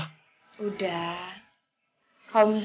kalau misalkan ada apa apa pasti gue hubungin lo